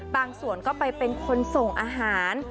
ส่วนก็ไปเป็นคนส่งอาหาร